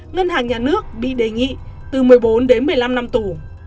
ngân hàng nhà nước bị đề nghị từ một mươi bốn đến một mươi năm năm tù